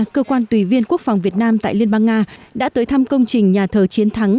cơ quan tùy viên quốc phòng việt nam tại liên bang nga đã tới thăm công trình nhà thờ chiến thắng